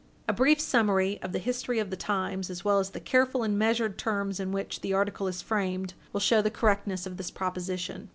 A brief summary of the history of the times, as well as the careful and measured terms in which the article is framed will show the correctness of this proposition.